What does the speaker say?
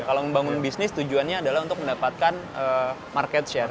kalau membangun bisnis tujuannya adalah untuk mendapatkan market share